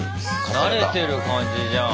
慣れてる感じじゃん。